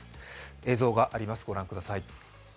映像があります、ご覧ください。